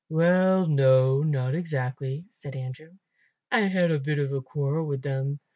"Well, no, not exactly," said Andrew. "I had a bit of a quarrel with them.